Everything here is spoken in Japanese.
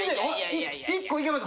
１個いけます。